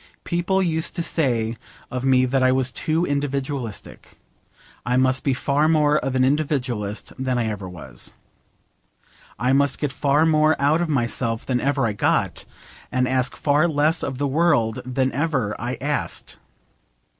People used to say of me that I was too individualistic. I must be far more of an individualist than ever I was. I must get far more out of myself than ever I got, and ask far less of the world than ever I asked.